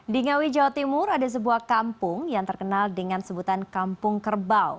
di ngawi jawa timur ada sebuah kampung yang terkenal dengan sebutan kampung kerbau